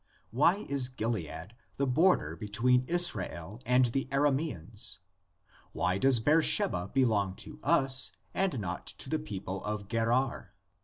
Why is Gilead the border between Israel and the Ara maeans? Why does Beersheba belong to us and not to the people of Gerar?